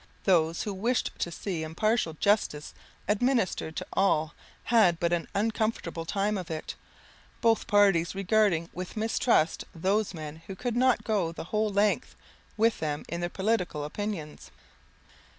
Those who wished to see impartial justice administered to all had but an uncomfortable time of it, both parties regarding with mistrust those men who could not go the whole length with them in their political opinions.